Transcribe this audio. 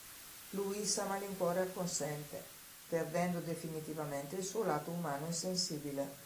Louis a malincuore acconsente, perdendo definitivamente il suo lato umano e sensibile.